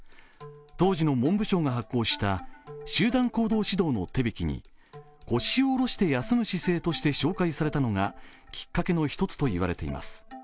当時の文部省が発行した集団行動指導の手引きに腰をおろして休む姿勢として紹介されたのがきっかけの１つと言われています。